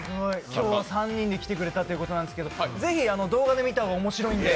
今日は３人で来てくれたということなんですけどぜひ動画で見た方が面白いんで。